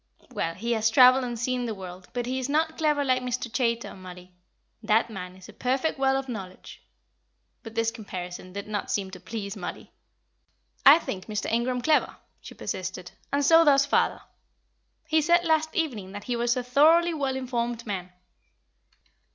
"Well, he has travelled and seen the world; but he is not clever like Mr. Chaytor, Mollie. That man is a perfect well of knowledge." But this comparison did not seem to please Mollie. "I think Mr. Ingram clever," she persisted, "and so does father. He said last evening that he was a thoroughly well informed man.